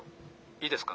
いいですか？